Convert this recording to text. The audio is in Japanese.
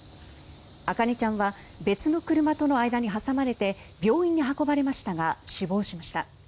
茜ちゃんは別の車との間に挟まれて病院に運ばれましたが死亡しました。